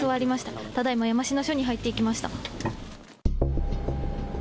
ただ今、山科署に入っていきました。